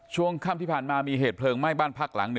ช่วงค่ำที่ผ่านมามีเหตุเพลิงไหม้บ้านพักหลัง๑